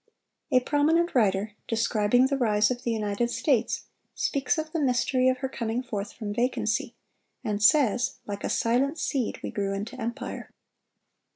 A prominent writer, describing the rise of the United States, speaks of "the mystery of her coming forth from vacancy,"(740) and says, "Like a silent seed we grew into empire."